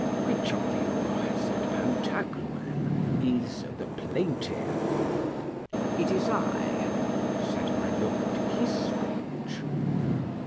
Which of you, said Pantagruel, is the plaintiff? It is I, said my Lord Kissbreech.